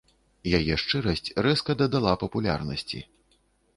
Яе шчырасць рэзка дадала папулярнасці.